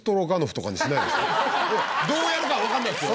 どうやるかはわからないですよ！